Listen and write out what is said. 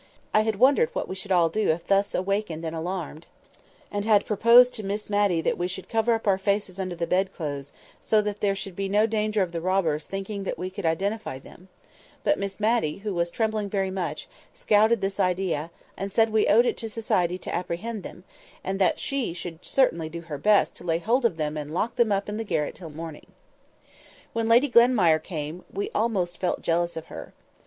I had wondered what we should all do if thus awakened and alarmed, and had proposed to Miss Matty that we should cover up our faces under the bed clothes so that there should be no danger of the robbers thinking that we could identify them; but Miss Matty, who was trembling very much, scouted this idea, and said we owed it to society to apprehend them, and that she should certainly do her best to lay hold of them and lock them up in the garret till morning. When Lady Glenmire came, we almost felt jealous of her.